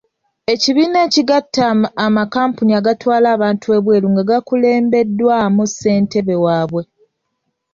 Ekibiina ekigatta amakampuni agatwala abantu ebweru nga bakulembeddwamu ssentebe waabwe.